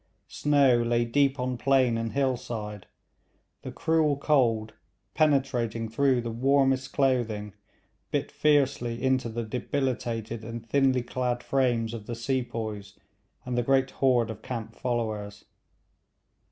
Snow lay deep on plain and hill side; the cruel cold, penetrating through the warmest clothing, bit fiercely into the debilitated and thinly clad frames of the sepoys and the great horde of camp followers.